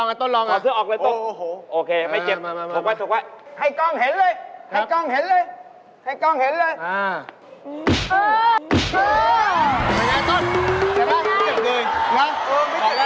อาต้นลองอ่ะโอเคไม่เจ็บถูกไว้ให้กล้องเห็นเลยให้กล้องเห็นเลยให้กล้องเห็นเลย